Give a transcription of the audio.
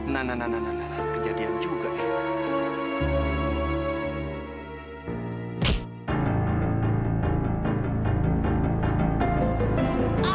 nah nah nah nah nah kejadian juga ya